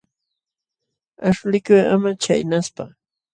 Aśhulikuy ama chaynaspa.